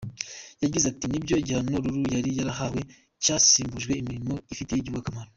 Yagize ati “Nibyo, igihano Lulu yari yarahawe cyasimbujwe imirimo ifitiye igihugu akamaro.